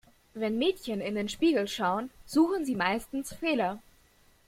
Wenn Mädchen in den Spiegel schauen, suchen sie meistens Fehler.